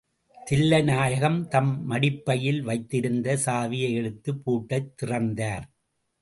தில்லைநாயகம் தம் மடிப்பையில் வைத்திருந்த சாவியை எடுத்துப் பூட்டைத் திறந்தார்.